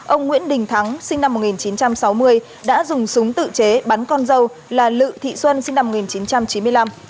ông nguyễn đình thắng sinh năm một nghìn chín trăm sáu mươi đã dùng súng tự chế bắn con dâu là lự thị xuân sinh năm một nghìn chín trăm chín mươi năm